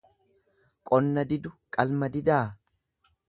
Qonna didu, qalma didaa.